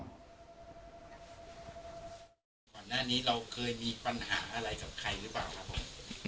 ก่อนหน้านี้เราเคยมีปัญหาอะไรกับใครหรือเปล่าครับผม